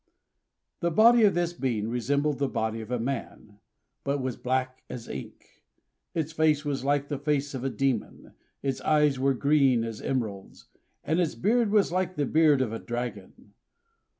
The body of this being resembled the body of a man, but was black as ink; its face was like the face of a demon; its eyes were green as emeralds; and its beard was like the beard of a dragon.